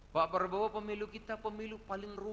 pak prabowo pemilu kita pemilu paling rumit